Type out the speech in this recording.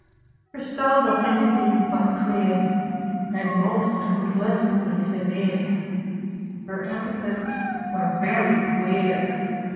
"Her style was anything but clear, And most unpleasantly severe; Her epithets were very queer.